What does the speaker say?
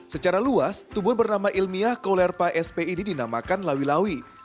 secara luas tubuh bernama ilmiah kolerpa sp ini dinamakan lawi lawi